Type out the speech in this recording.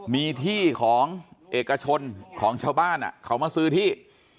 มีที่ของเอกชนของชาวบ้านเขามาซื้อที่